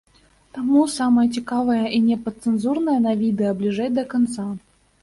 Таму самае цікавае і непадцэнзурнае на відэа бліжэй да канца.